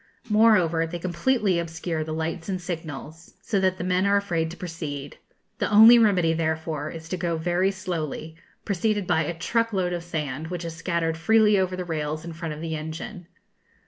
Moreover, they completely obscure the lights and signals, so that the men are afraid to proceed. The only remedy, therefore, is to go very slowly, preceded by a truck load of sand, which is scattered freely over the rails in front of the engine.